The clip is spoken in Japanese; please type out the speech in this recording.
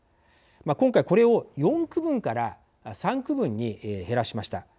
今回これを４区分から３区分に減らしました。